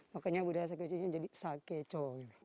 makanya budaya sakeco ini menjadi sakeco